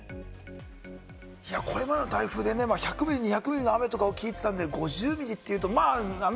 これまでの台風で、１００ミリ、２００ミリとかの雨を聞いていたんで、５０ミリというと、あれ？